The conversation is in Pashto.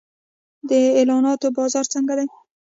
د اعلاناتو بازار څنګه دی؟